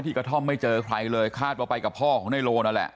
กระท่อมไม่เจอใครเลยคาดว่าไปกับพ่อของนายโลนั่นแหละ